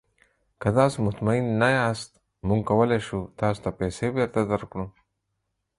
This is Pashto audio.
که تاسو مطمین نه یاست، موږ کولی شو تاسو ته پیسې بیرته درکړو.